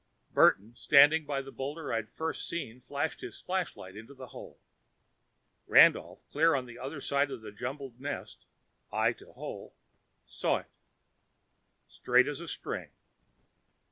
Burton, standing by the boulder I'd first seen, flashed his flashlight into the hole. Randolph, clear on the other side of the jumbled nest, eye to hole, saw it. Straight as a string!